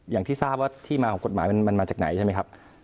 อย่างที่ทราบว่าที่มาของกฎหมายมันมาจากไหนใช่ไหมครับ